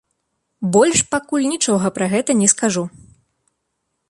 Больш пакуль нічога пра гэта не скажу.